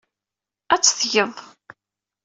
Ad tt-tgeḍ.